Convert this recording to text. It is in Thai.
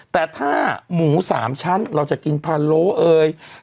แต่ถ้าหมู๓ชั้นเราจะกินพาโล้เอ่ย